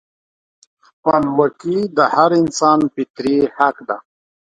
خپلواکي د هر انسان فطري حق دی.